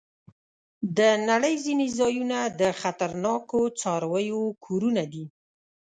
د نړۍ ځینې ځایونه د خطرناکو څارويو کورونه دي.